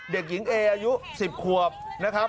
เด็กหญิงเออายุ๑๐ขวบนะครับ